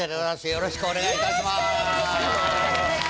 よろしくお願いします！